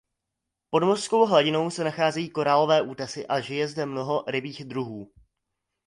Pod mořskou hladinou se nacházejí korálové útesy a žije zde mnoho rybích druhů.